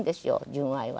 純愛は。